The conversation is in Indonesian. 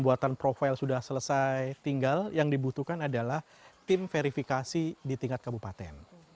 buatan profil sudah selesai tinggal yang dibutuhkan adalah tim verifikasi di tingkat kabupaten